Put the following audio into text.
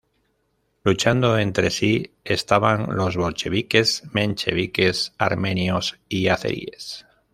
Luchando entre sí estaban los bolcheviques, mencheviques, armenios y azeríes.